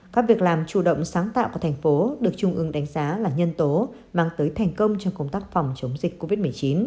các việc làm chủ động sáng tạo của thành phố được trung ương đánh giá là nhân tố mang tới thành công trong công tác phòng chống dịch covid một mươi chín